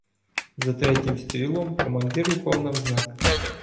За третім стрілом командир упав навзнак.